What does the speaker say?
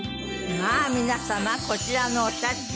まあ皆様こちらのお写真。